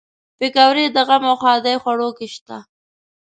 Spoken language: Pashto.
پکورې د غم او ښادۍ خوړو کې شته